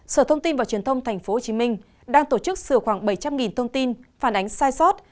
sở thông tin và truyền thông tp hcm đang tổ chức sửa khoảng bảy trăm linh thông tin phản ánh sai sót